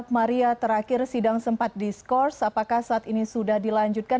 maria terakhir sidang sempat diskors apakah saat ini sudah dilanjutkan